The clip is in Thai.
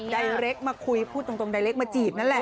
ใดเล็กมาคุยพูดตรงใดเล็กมาจีบนั่นแหละ